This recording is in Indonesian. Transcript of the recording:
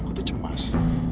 aku tuh cemas